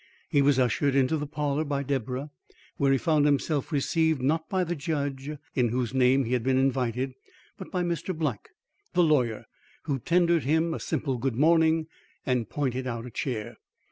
He was ushered into the parlour by Deborah, where he found himself received not by the judge in whose name he had been invited, but by Mr. Black, the lawyer, who tendered him a simple good morning and pointed out a chair.